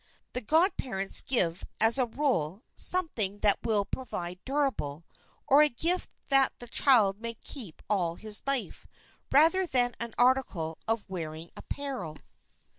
The godparents give as a rule, something that will prove durable, or a gift that the child may keep all his life, rather than an article of wearing apparel.